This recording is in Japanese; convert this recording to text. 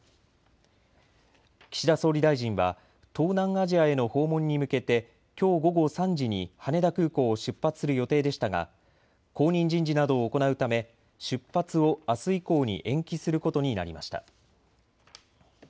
岸田総理大臣は東南アジアへの訪問に向けてきょう午後３時に羽田空港を出発する予定でしたが後任人事などを行うため出発をあす以降に延期することになりました。